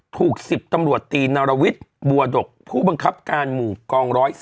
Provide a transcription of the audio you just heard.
ถูก๑๐ตำรวจตีนรวิทย์บัวดกผู้บังคับการหมู่กอง๑๐๔